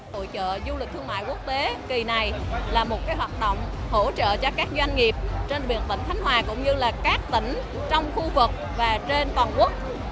hội trợ du lịch thương mại quốc tế kỳ này là một hoạt động hỗ trợ cho các doanh nghiệp trên việc tỉnh khánh hòa cũng như các tỉnh trong khu vực và trên toàn quốc